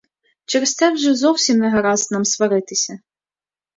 Через це вже зовсім не гаразд нам сваритися.